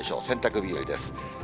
洗濯日和です。